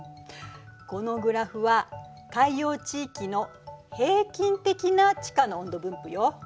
このグラフは海洋地域の平均的な地下の温度分布よ。